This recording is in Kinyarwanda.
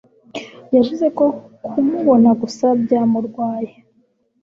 Yavuze ko kumubona gusa byamurwaye.